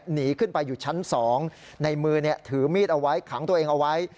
หนีขึ้นไปอยู่ชั้น๒ในมือถือมีดเอาไว้ขังตัวเองเอาไว้